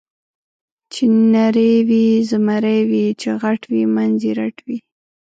چې نری وي زمری وي، چې غټ وي منځ یې رټ وي.